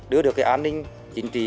đưa được cái an ninh chính trị